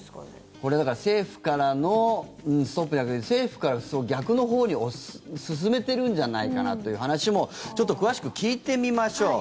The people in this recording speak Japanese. これは、だから政府からのストップじゃなくて政府から逆のほうに進めてるんじゃないかという話もちょっと詳しく聞いてみましょう。